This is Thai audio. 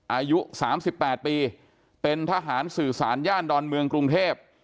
อายุ๓๘ปีเป็นทหารสื่อสารย่านดอนเมืองกรุงเทพ